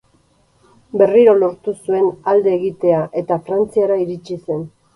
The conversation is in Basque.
Berriro lortu zuen alde egitea eta Frantziara iritsi zen.